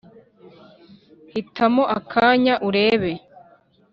hitamo akanya urebe,